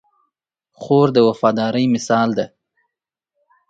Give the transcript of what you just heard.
خور د وفادارۍ مثال ده.